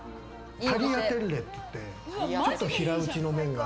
タリアテッレって言って、ちょっと平打ちの麺。